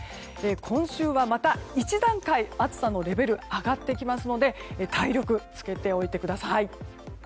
今週はまた１段階、暑さのレベルが上がってきますので体力つけておいてください。